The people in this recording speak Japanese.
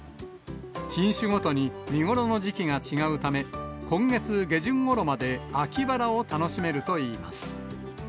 品種ごとに見頃の時期が違うため、今月下旬ごろまで秋バラを楽しめるといいます。